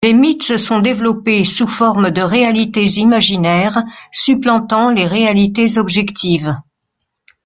Les mythes se sont développés, sous forme de réalités imaginaires, supplantant les réalités objectives.